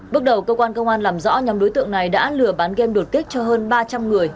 bước đầu cơ quan công an làm rõ nhóm đối tượng này đã lừa bán gam đột kích cho hơn ba trăm linh người